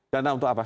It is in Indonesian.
dana untuk apa